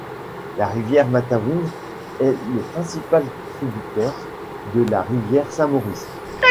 La rivière Matawin est le principal tributaire de la rivière Saint-Maurice.